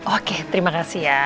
oke terima kasih ya